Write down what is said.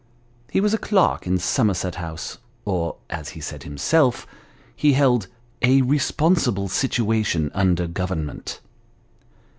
He was a clerk in Somerset House, or, as he said himself, he held " a respon sible situation under Government."